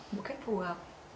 một cách phù hợp